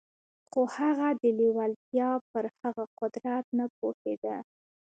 خو هغه د لېوالتیا پر هغه قدرت نه پوهېده.